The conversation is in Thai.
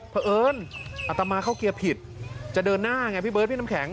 เพราะเอิญอัตมาเข้าเกียร์ผิดจะเดินหน้าไงพี่เบิร์ดพี่น้ำแข็ง